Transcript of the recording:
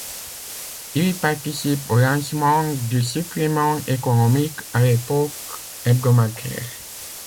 Il y participe au lancement du supplément économique, à l‘époque hebdomadaire.